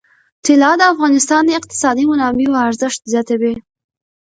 طلا د افغانستان د اقتصادي منابعو ارزښت زیاتوي.